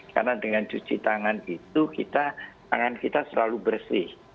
karena dengan cuci tangan itu tangan kita selalu bersih